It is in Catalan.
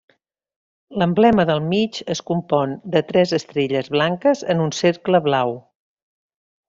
L'emblema del mig es compon de tres estrelles blanques en un cercle blau.